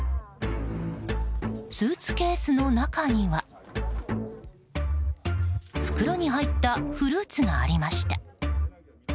スーツケースの中には袋に入ったフルーツがありました。